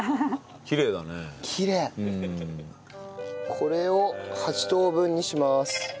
これを８等分にします。